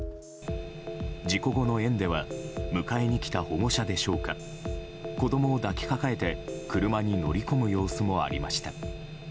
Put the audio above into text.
事故後の園では迎えに来た保護者でしょうか子供を抱きかかえて車に乗り込む様子もありました。